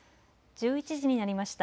１１時になりました。